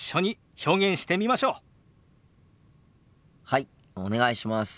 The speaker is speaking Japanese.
はいお願いします。